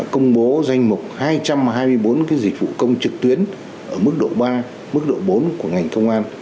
công bố danh mục hai trăm hai mươi bốn dịch vụ công trực tuyến ở mức độ ba mức độ bốn của ngành công an